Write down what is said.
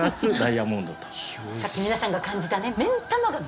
さっき皆さんが感じた。